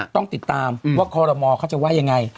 ต้องติดตามว่าคอรมอเขาจะว่ายังไง